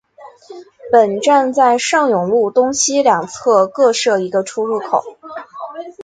本站在上永路东西两侧各设一个出入口。